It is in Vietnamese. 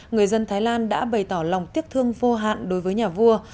người dân thái lan đã bày tỏ lòng tiếc thương vô hạn đối với nhà vua